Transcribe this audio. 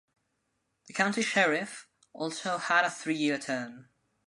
The county sheriff also had a three-year term.